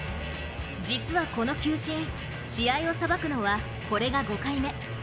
実はこの球審試合をさばくのはこれが５回目。